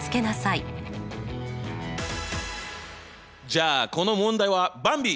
じゃあこの問題はばんび！